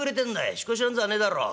引っ越しなんぞはねえだろう。